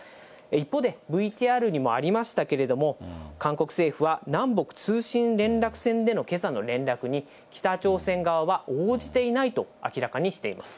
一方で、ＶＴＲにもありましたけれども、韓国政府は、南北通信連絡線でのけさの連絡に、北朝鮮側は応じていないと明らかにしています。